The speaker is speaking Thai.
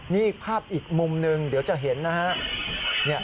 นี่ภาพอีกมุมหนึ่งเดี๋ยวจะเห็นนะฮะ